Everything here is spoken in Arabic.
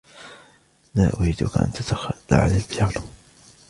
لا أريدك أن تتخلى عن البيانو.